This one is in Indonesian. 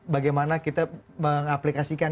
bagaimana kita mengaplikasikan